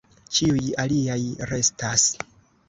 Ĉiuj aliaj restas.